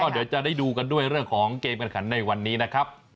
เดี๋ยวจะได้ดูกันด้วยเรื่องของเกมการขันในวันนี้นะครับ